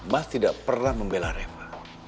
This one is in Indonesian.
mas tidak pernah membela rema